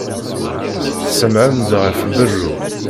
Tessemɛen-d ɣef berru.